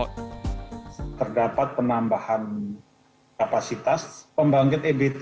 terdapat penambahan kapasitas pembangkit ebt